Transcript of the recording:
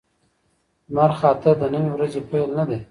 لمرخاته د نوې ورځې پیل نه دی.